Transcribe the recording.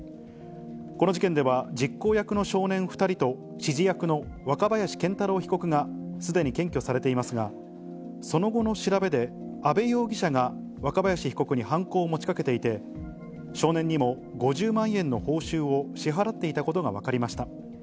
この事件では、実行役の少年２人と指示役の若林賢太郎被告がすでに検挙されていますが、その後の調べで、阿部容疑者が若林被告に犯行を持ちかけていて、少年にも５０万円の報酬を支払っていたことが分かりました。